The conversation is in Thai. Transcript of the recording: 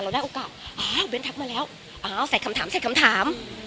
ได้โอกาสอ้าวเบ้นทักมาแล้วอ้าวใส่คำถามใส่คำถาม